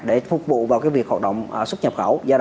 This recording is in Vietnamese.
để phục vụ vào việc hoạt động xuất nhập khẩu